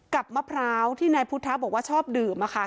กับมะพร้าวที่นายพุทธภาพบอกว่าชอบดื่มค่ะ